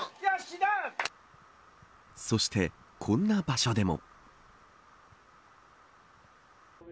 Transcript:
そして、こんな場所でも。